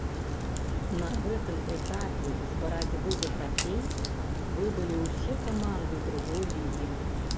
На гэтым этапе з барацьбы за трафей выбылі ўсе каманды другой лігі.